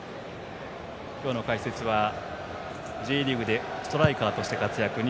今日の解説はＪリーグでストライカーとして活躍